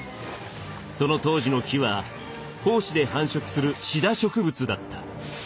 その当時の木は胞子で繁殖するシダ植物だった。